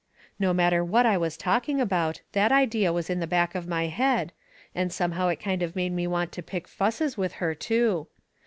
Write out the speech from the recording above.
No matter what I was talking about, that idea was in the back of my head, and somehow it kind of made me want to pick fusses with her, too.